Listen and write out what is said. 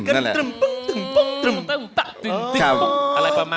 กันตรึมนั่นแหละ